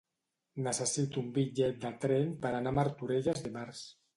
Necessito un bitllet de tren per anar a Martorelles dimarts.